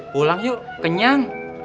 pulang yuk kenyang